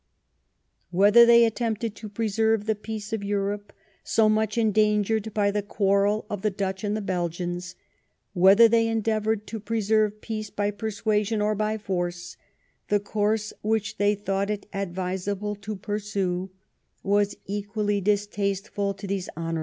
Whether they attempted to pre serve the peace of Europe, so much endangered by the quarrel of the Dutch and Belgians —whether they endeavoured to preserve peace by persuasion or by force, the course which they thought it advisable to pursue was equally distasteful to these hon.